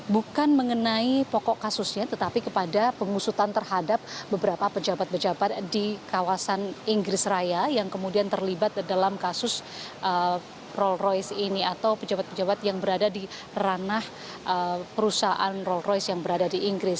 bukan mengenai pokok kasusnya tetapi kepada pengusutan terhadap beberapa pejabat pejabat di kawasan inggris raya yang kemudian terlibat dalam kasus rolls royce ini atau pejabat pejabat yang berada di ranah perusahaan rolls royce yang berada di inggris